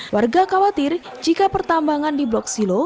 warga khawatir jika pertambangan di blok silo